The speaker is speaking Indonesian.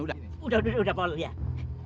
udah pol ya